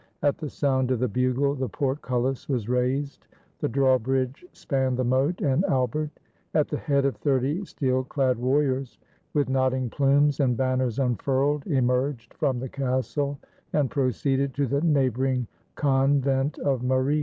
At the sound of the bugle the port cullis was raised, the drawbridge spanned the moat, and Albert, at the head of thirty steel clad warriors, with nodding plumes, and banners unfurled, emerged from the castle, and proceeded to the neighboring convent of Mari.